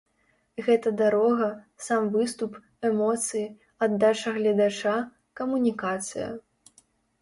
Гэта дарога, сам выступ, эмоцыі, аддача гледача, камунікацыя.